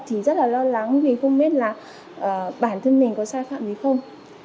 thì rất là lo lắng vì không biết là bản thân mình có sai phạm gì không